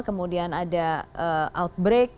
kemudian ada outbreak